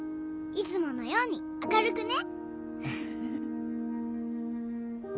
いつものように明るくね！